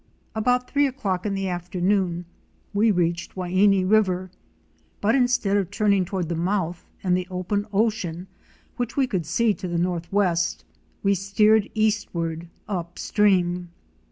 About three o'clock in the afternoon we reached the Waini River, but instead of turning toward the mouth and the open ocean which we could see to the northwest, we steered eastward up stream.